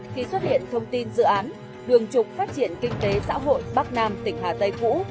khi xuất hiện thông tin dự án đường trục phát triển kinh tế xã hội bắc nam tỉnh hà tây cũ